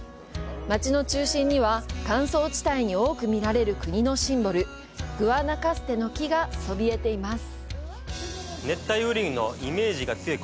街の中心には乾燥地帯に多く見られる国のシンボルグアナカステの木がそびえています。